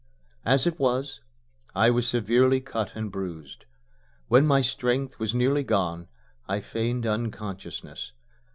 As it was, I was severely cut and bruised. When my strength was nearly gone, I feigned unconsciousness.